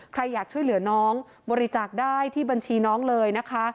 ใครอยากช่วยเหลือน้องบริจาคได้ที่บัญชีน้องเลยนะคะ